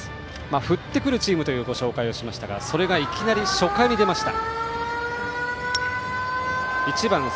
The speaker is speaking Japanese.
振ってくるチームというご紹介をしましたがそれが、いきなり初回に出ました。